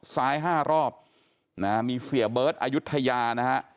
ซ้าย๕รอบนะฮะมีเสียเบิร์ตอายุทยานะฮะ